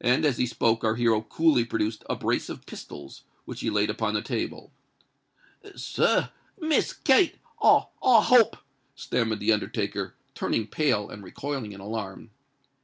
And as he spoke, our hero coolly produced a brace of pistols, which he laid upon the table. "Sir—Miss Kate—I—I hope——" stammered the undertaker, turning pale, and recoiling in alarm.